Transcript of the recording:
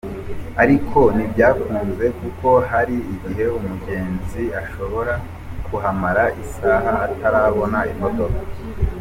Ariko ntibyakunze kuko hari igihe umugenzi ashobora kuhamara isaha atarabona imodoka.